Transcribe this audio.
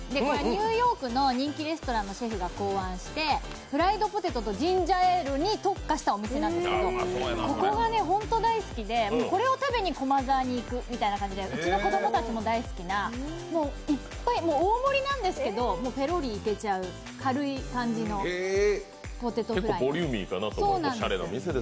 ニューヨークの人気レストランのシェフが考案して、フライドポテトとジンジャーエールに特化したお店なんですけどここが本当に大好きで、これを食べに駒沢に行くみたいな感じで、うちの子供たちも大好きで大盛りなんですけど、ペロリいけちゃうおしゃれな店ですね、また。